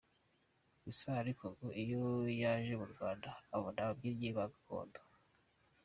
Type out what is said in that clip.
Gusa ariko ngo iyo yaje mu Rwanda abona ababyinnyi ba gakondo.